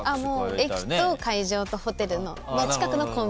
駅と会場とホテルの近くのコンビニぐらい。